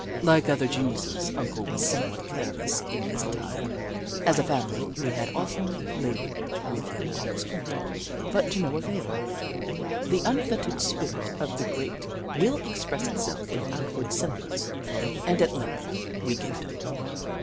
Like other geniuses. Uncle was somewhat careless in his attire. As a family, we had often laboured with him on this point, but to no avail. The unfettered spirit of the great will express itself in outward semblance, and at length we gave it up.